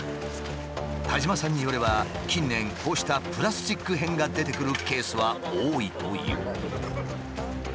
田島さんによれば近年こうしたプラスチック片が出てくるケースは多いという。